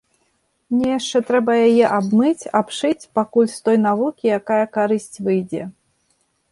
Мне яшчэ трэба яе абмыць, абшыць, пакуль з той навукі якая карысць выйдзе.